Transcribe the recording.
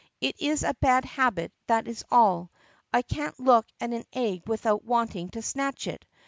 "It is a bad habit, that is all. I can't look at an egg without wanting to snatch it.